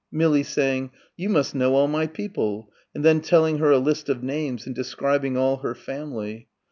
... Millie saying, "You must know all my people," and then telling her a list of names and describing all her family.